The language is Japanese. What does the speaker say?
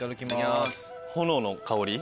炎の香り？